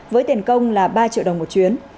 với tiền công là ba triệu đồng một chuyến